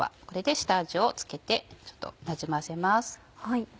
これで下味を付けてちょっとなじませます。